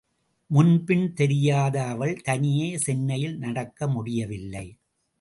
முன்பின் தெரியாத அவள் தனியே சென்னையில் நடக்க முடியவில்லை.